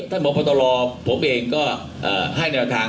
ถ้าบอกความคิดค่าใจกับสมบัติธรรมดิกัน